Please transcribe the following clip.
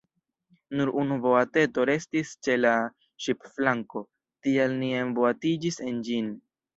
Nur unu boateto restis ĉe la ŝipflanko, tial ni enboatiĝis en ĝin.